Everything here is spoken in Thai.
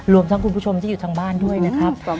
รวมทั้งคุณผู้ชมที่อยู่ทางบ้านด้วยนะครับ